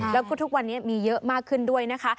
แล้วก็ทุกวันนี้มีเยอะมากขึ้นด้วยนะคะ